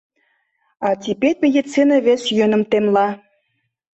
А тибет медицине вес йӧным темла.